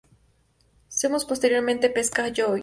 Seamus posteriormente pesca a Joe.